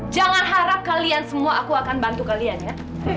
jangan harap kalian semua aku akan bantu kalian ya